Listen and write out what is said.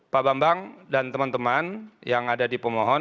pak bambang dan teman teman yang ada di pemohon